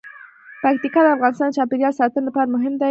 پکتیکا د افغانستان د چاپیریال ساتنې لپاره مهم دي.